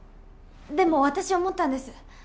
でも私思ったんです。